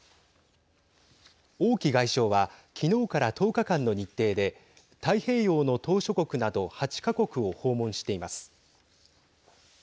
王毅外相はきのうから１０日間の日程で太平洋の島しょ国など８か国を訪問しています。